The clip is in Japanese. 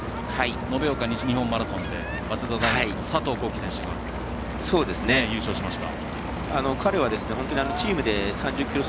延岡西日本マラソンで早稲田大学の佐藤航希選手が優勝しました。